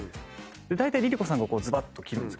だいたいＬｉＬｉＣｏさんがズバッと斬るんですけど